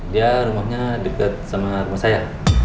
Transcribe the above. dia rumahnya dekat sama rumah saya